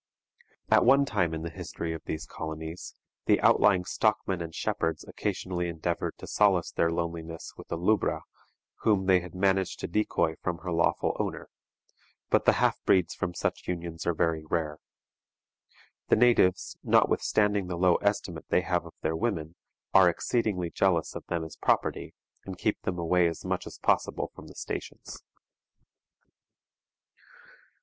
At one time in the history of these colonies, the outlying stock men and shepherds occasionally endeavored to solace their loneliness with a "lubbra" whom they had managed to decoy from her lawful owner, but the half breeds from such unions are very rare. The natives, notwithstanding the low estimate they have of their women, are exceedingly jealous of them as property, and keep them away as much as possible from the stations.